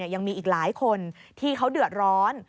ยังมีอีกหลายคนที่เขาเดือดร้อน